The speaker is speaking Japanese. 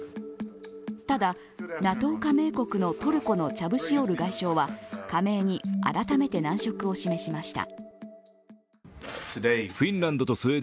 ただ、ＮＡＴＯ加盟国のトルコのチャブシオール外相は加盟に改めて難色を示しました。